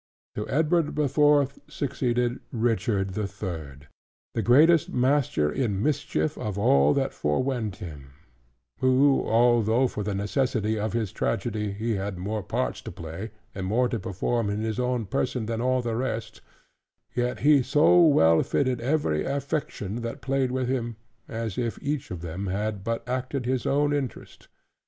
To Edward the Fourth succeeded Richard the Third, the greatest master in mischief of all that fore went him: who although, for the necessity of his tragedy, he had more parts to play, and more to perform in his own person, than all the rest; yet he so well fitted every affection that played with him, as if each of them had but acted his own interest.